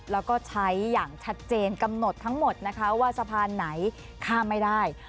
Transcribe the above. แล้วก็ใช้อย่างชัดเจนกำหนดทั้งหมดนะคะว่าสะพานไหนข้ามไม่ได้